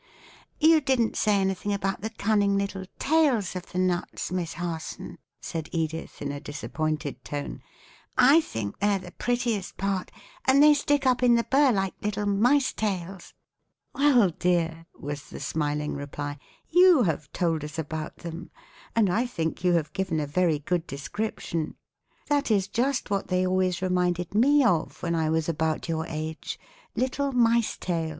"You didn't say anything about the cunning little tails of the nuts, Miss Harson," said Edith, in a disappointed tone. "I think they're the prettiest part, and they stick up in the burr like little mice tails." "Well, dear," was the smiling reply, "you have told us about them, and I think you have given a very good description. That is just what they always reminded me of when I was about your age little mice tails."